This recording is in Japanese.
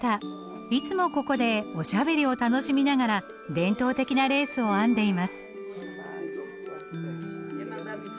いつもここでおしゃべりを楽しみながら伝統的なレースを編んでいます。